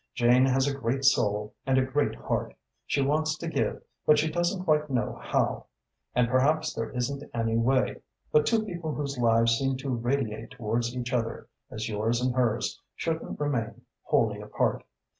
Jane has a great soul and a great heart. She wants to give but she doesn't quite know how. And perhaps there isn't any way. But two people whose lives seem to radiate towards each other, as yours and hers, shouldn't remain wholly apart.